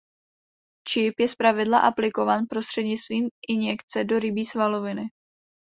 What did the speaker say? Čip je zpravidla aplikován prostřednictvím injekce do rybí svaloviny.